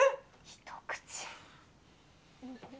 一口。